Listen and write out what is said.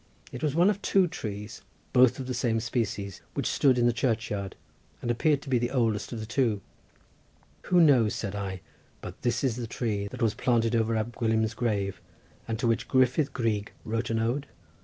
It was one of two trees, both of the same species, which stood in the churchyard, and appeared to be the oldest of the two. Who knows, said I, but this is the tree that was planted over Ab Gwilym's grave, and to which Gruffyd Gryg wrote an ode?